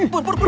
pur pur pur